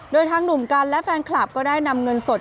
โดยทางหนุ่มกันและแฟนคลับก็ได้นำเงินสด